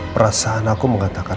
perasaan aku mengatakan